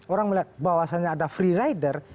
orang melihat bahwasannya ada free rider